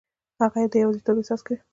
هغه د یوازیتوب احساس کوي.